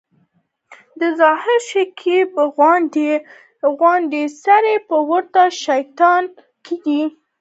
د ظاهر شکیب غوندي سړي به ورته شتیا کېده.